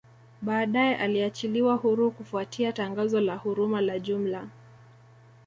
Baadae aliachiliwa huru kufuatia tangazo la huruma la jumla